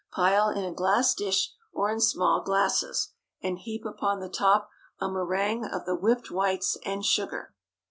Pile in a glass dish, or in small glasses, and heap upon the top a méringue of the whipped whites and sugar.